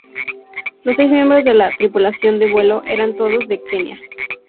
Los seis miembros de la tripulación de vuelo eran todos de Kenia.